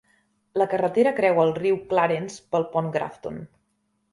La carretera creua el riu Clarence pel pont Grafton.